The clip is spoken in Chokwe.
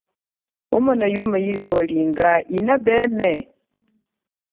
Wamona yuma walinga yinapeme ?